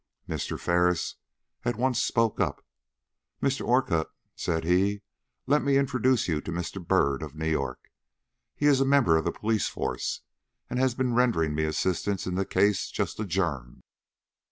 Mr. Ferris at once spoke up. "Mr. Orcutt," said he, "let me introduce to you Mr. Byrd, of New York. He is a member of the police force, and has been rendering me assistance in the case just adjourned."